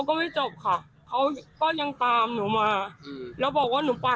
เพื่อนก็ต้องปฐมพยาบาล